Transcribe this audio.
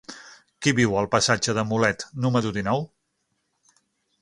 Qui viu al passatge de Mulet número dinou?